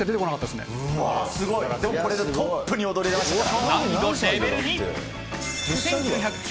でもこれでトップに躍り出ましたから。